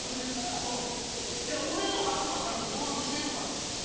じゃあ俺の番号はちゃんと登録してるのかいな。